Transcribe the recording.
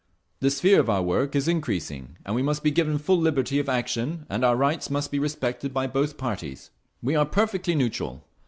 The sphere of our work is increasing, and we must be given full liberty of action, and our rights must be respected by both parties…. "We are perfectly neutral.